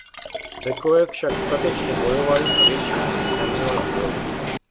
Řekové však statečně bojovali a většina z nich zemřela v boji.